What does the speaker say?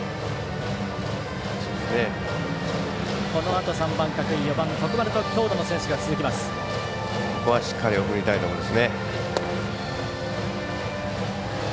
このあと３番、角井４番、徳丸と強打の選手が続きます。